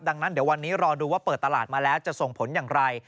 ดังนั้นเดี๋ยววันนี้รอดูว่าเปิดตลาดมาแล้วจะส่งผลอย่างไร